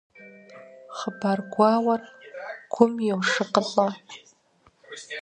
Хъыбар гуауэр гум йошыкъылӀэ.